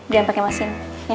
jangan pakai mesin